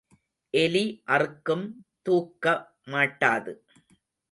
எலி அறுக்கும் தூக்க மாட்டாது.